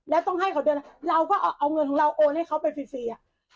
แล้วต้องให้เขาเดือนละเราก็เอาเงินของเราโอนให้เขาไปฟรีฟรีอ่ะ